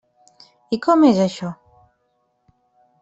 I com és això?